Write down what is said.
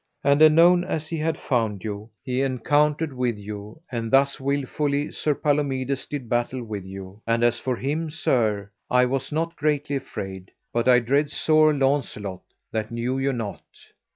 And anon as he had found you he encountered with you, and thus wilfully Sir Palomides did battle with you; and as for him, sir, I was not greatly afraid, but I dread sore Launcelot, that knew you not.